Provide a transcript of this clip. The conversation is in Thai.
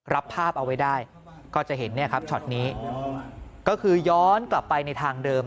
รับภาพเอาไว้ได้ก็จะเห็นเนี่ยครับช็อตนี้ก็คือย้อนกลับไปในทางเดิม